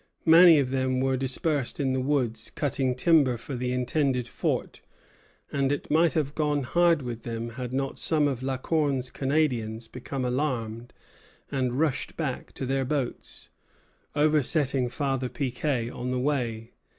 Many of them were dispersed in the woods, cutting timber for the intended fort; and it might have gone hard with them had not some of La Corne's Canadians become alarmed and rushed back to their boats, oversetting Father Piquet on the way.